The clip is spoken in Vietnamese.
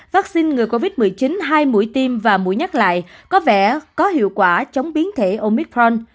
vắc xin người covid một mươi chín hai mũi tiêm và mũi nhắc lại có vẻ có hiệu quả chống biến thể omicron